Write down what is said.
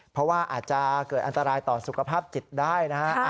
เพราะว่าอาจจะเกิดอันตรายต่อสุขภาพจิตได้นะฮะ